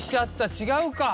違うか。